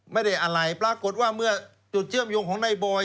ไม่ได้อะไรปรากฏว่าเมื่อจุดเชื่อมโยงของนายบอย